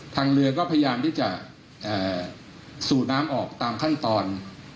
ทางเรือก็พยายามที่จะสูดน้ำออกตามขั้นตอน